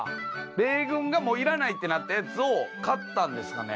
米軍がもういらないってなったやつを買ったんですかね。